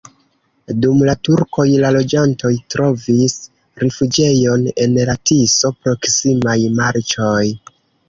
Dum la turkoj la loĝantoj trovis rifuĝejon en la Tiso-proksimaj marĉoj.